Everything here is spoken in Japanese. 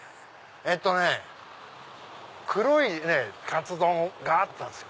えっとね黒いカツ丼があったんですよ。